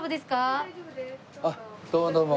あっどうもどうも。